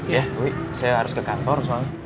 ya dewi saya harus ke kantor